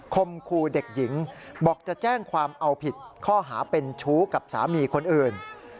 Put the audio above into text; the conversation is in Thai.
คมครูเด็กหญิงบอกจะแจ้งความเอาผิดข้อหาเป็นชู้กับสามีคนอื่น